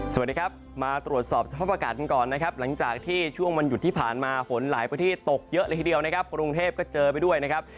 สวัสดีครับมาตรวจสอบสภาพอากาศกันก่อนนะครับหลังจากที่ช่วงวันหยุดที่ผ่านมาฝนหลายประเทศตกเยอะเลยทีเดียวนะครับกรุงเทพก็เจอไปด้วยนะครับ